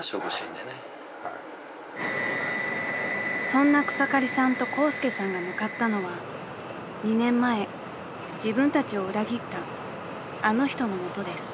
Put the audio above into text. ［そんな草刈さんとコウスケさんが向かったのは２年前自分たちを裏切ったあの人の元です］